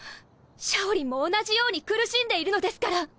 ⁉小鈴も同じように苦しんでいるのですから！